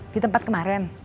di tempat kemarin